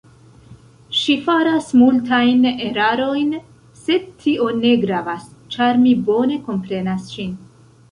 Ŝi faras multajn erarojn, sed tio ne gravas, ĉar mi bone komprenas ŝin.